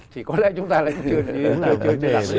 chỉ có lẽ chúng ta lại chưa đặt vấn đề về thế này